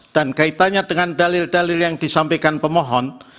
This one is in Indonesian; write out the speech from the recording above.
dan kaitannya dengan dalil dalil yang disampaikan pemohon